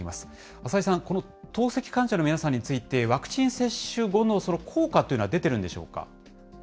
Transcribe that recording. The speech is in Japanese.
浅井さん、この透析患者の皆さんについて、ワクチン接種後の効果というのは出てるんでしょうか。